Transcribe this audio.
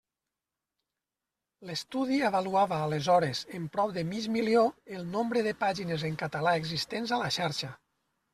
L'estudi avaluava aleshores en prop de mig milió el nombre de pàgines en català existents a la xarxa.